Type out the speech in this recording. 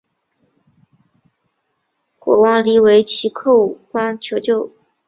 国王黎维祁叩关求救。